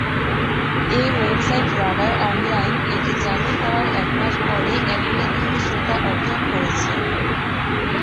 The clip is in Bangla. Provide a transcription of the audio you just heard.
এর ওয়েবসাইট রাডার অনলাইন এটি চালু হওয়ার এক মাস পরেই এক মিলিয়ন শ্রোতা অর্জন করেছে।